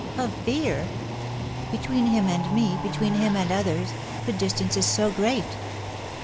"Of fear?" "Between him and me, between him and others, the distance is so great!"